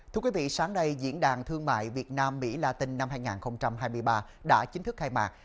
thưa quý vị sáng nay diễn đàn thương mại việt nam mỹ la tinh năm hai nghìn hai mươi ba đã chính thức khai mạc